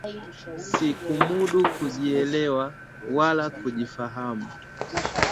Sikumudu kujielewa wala kujifahamu